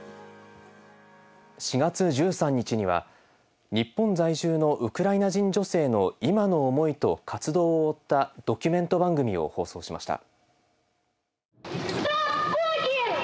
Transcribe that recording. ４月１３日には日本在住のウクライナ人女性の今の思いと活動を追ったドキュメント番組を放送しました。